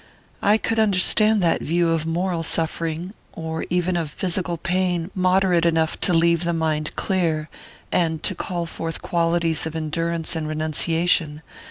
"I could understand that view of moral suffering or even of physical pain moderate enough to leave the mind clear, and to call forth qualities of endurance and renunciation.